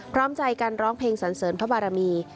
พร้อมใจกันร้องเพลงสันเสริญพระบารมี